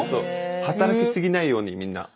働き過ぎないようにみんな。